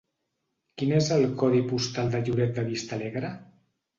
Quin és el codi postal de Lloret de Vistalegre?